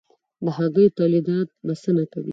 د هګیو تولیدات بسنه کوي؟